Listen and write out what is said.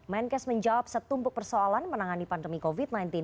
menkes menjawab setumpuk persoalan menangani pandemi covid sembilan belas